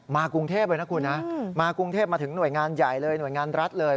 มากรุงเทพมาถึงหน่วยงานใหญ่เลยหน่วยงานรัฐเลย